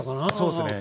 そうっすね。